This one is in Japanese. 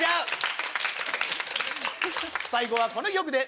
最後はこの曲で！